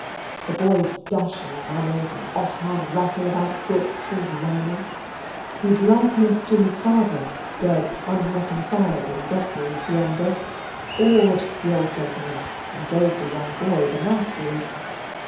The boy's dashing manners, and offhand rattle about books and learning, his likeness to his father (dead unreconciled in Brussels yonder) awed the old gentleman and gave the young boy the mastery.